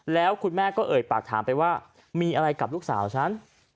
แล้วคุณแม่ก็เอ่ยปากถามไปว่ามีอะไรกับลูกสาวฉัน